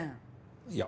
いや。